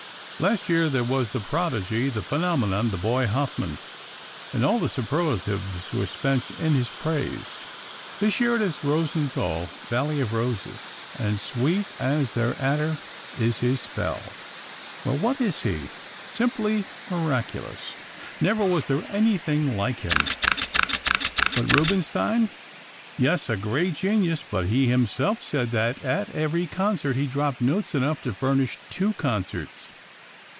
Last year there was the prodigy, the phenomenon, the boy Hofmann, and all the superlatives were spent in his praise. This year it is Rosenthal valley of roses and sweet as their attar is his spell. "Well, what is he?" "Simply miraculous; never was there anything like him." "But Rubinstein?" "Yes, a great genius, but he himself said that at every concert he dropped notes enough to furnish two concerts."